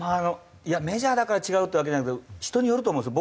いやメジャーだから違うってわけじゃないけど人によると思うんですよ。